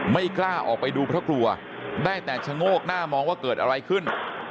ไม่กล้าออกไปดูเพราะกลัวได้แต่ชะโงกหน้ามองว่าเกิดอะไรขึ้น